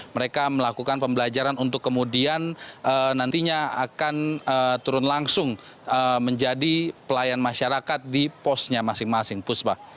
mereka melakukan pembelajaran untuk kemudian nantinya akan turun langsung menjadi pelayan masyarakat di posnya masing masing puspa